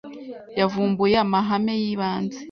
Yavumbuye amahame y’ibanze